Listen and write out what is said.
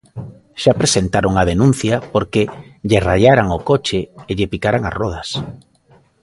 Xa presentara unha denuncia porque lle raiaran o coche e lle picaran as rodas.